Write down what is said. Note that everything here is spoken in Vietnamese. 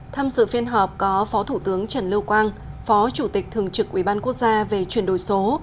tham dự phiên họp có phó thủ tướng trần lưu quang phó chủ tịch thường trực ủy ban quốc gia về chuyển đổi số